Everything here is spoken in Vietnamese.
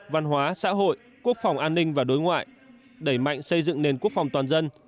văn hóa xã hội quốc phòng an ninh và đối ngoại đẩy mạnh xây dựng nền quốc phòng toàn dân